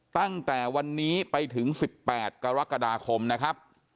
ตั้งแต่วันนี้ไปถึง๑๘กรกฎาคมนะครับ